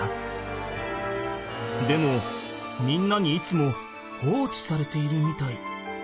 でもみんなにいつも放置されているみたい。